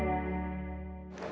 siapa yang senyum